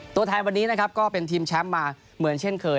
ตัวแทนวันนี้นะครับก็เป็นทีมแชมป์มาเหมือนเช่นเคย